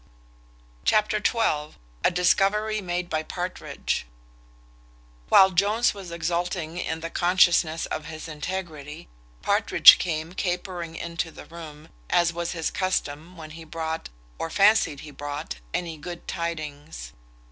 Chapter xii. A discovery made by Partridge. While Jones was exulting in the consciousness of his integrity, Partridge came capering into the room, as was his custom when he brought, or fancied he brought, any good tidings.